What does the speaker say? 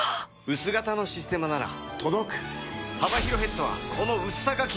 薄型の「システマ」なら届く「システマ」